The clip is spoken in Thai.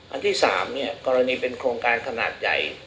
อันที่๓กรณีเป็นโครงการขนาดใหญ่